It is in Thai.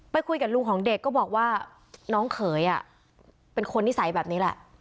คุยกับลุงของเด็กก็บอกว่าน้องเขยเป็นคนนิสัยแบบนี้แหละ